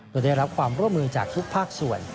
โดยได้รับความร่วมมือจากทุกภาคส่วน